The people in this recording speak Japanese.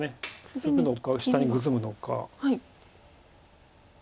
ツグのか下にグズむのか。